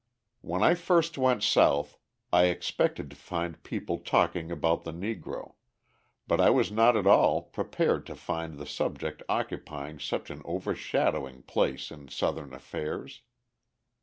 When I first went South I expected to find people talking about the Negro, but I was not at all prepared to find the subject occupying such an overshadowing place in Southern affairs.